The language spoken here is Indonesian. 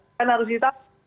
kan harus ditahukan